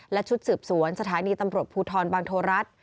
และชุดสืบสวนสถานีตำรวจภูทรบางโทรัฐ